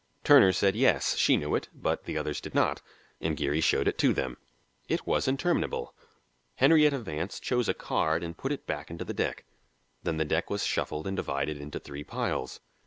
Turner said yes, she knew it, but the others did not, and Geary showed it to them. It was interminable. Henrietta Vance chose a card and put it back into the deck. Then the deck was shuffled and divided into three piles.